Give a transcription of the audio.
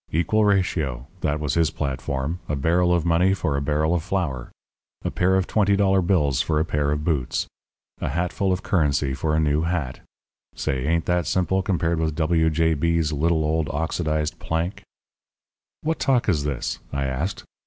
Equal ratio that was his platform a barrel of money for a barrel of flour a pair of $20 bills for a pair of boots a hatful of currency for a new hat say, ain't that simple compared with W. J. B.'s little old oxidized plank?" "What talk is this?" I asked.